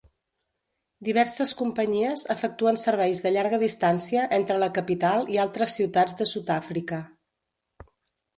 Diverses companyies efectuen serveis de llarga distància entre la capital i altres ciutats de Sud-àfrica.